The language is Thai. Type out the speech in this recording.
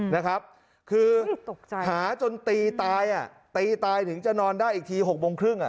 นี่ตกใจหาจนตีตายตีตายถึงจะนอนได้อีกที๖บลงครึ่ง